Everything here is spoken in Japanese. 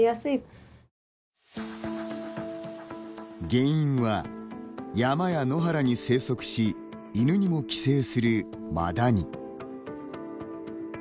原因は、山や野原に生息し犬にも寄生するマダニ。